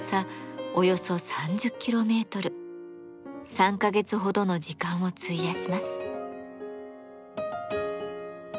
３か月ほどの時間を費やします。